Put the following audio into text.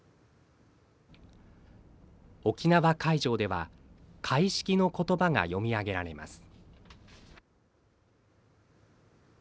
沖縄会場では開式のことばが読み上げられます。